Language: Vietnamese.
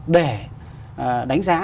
để đánh giá